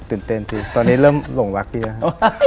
ตื่นเต้นจริงตอนนี้เริ่มหลงวักดีแล้วครับ